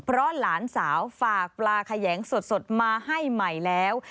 เพราะหลานสาวฝากปลาแขยงสดมาให้ใหม่แล้ว